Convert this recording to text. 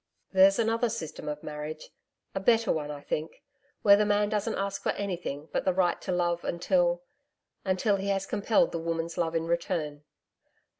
'There's another system of marriage a better one, I think where the man doesn't ask for anything but the right to love until until he has compelled the woman's love in return.'